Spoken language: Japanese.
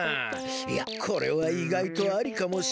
いやこれはいがいとありかもしれない。